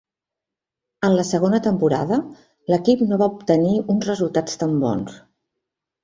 En la segona temporada, l'equip no va obtenir uns resultats tan bons.